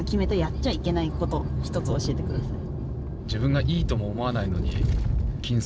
一つ教えてください。